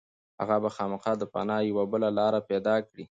هغه به خامخا د پناه یوه بله لاره پيدا کړي.